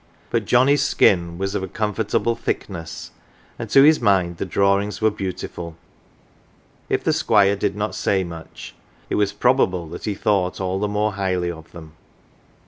But Johnnie's skin was of a comfortable thickness, and to his mind the drawings were beautiful ; if the Squire did not say much, it was probable that he thought all . the more highly of them.